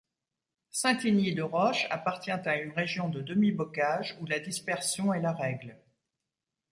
Saint-Igny-de-Roche appartient à une région de demi-bocage où la dispersion est la règle.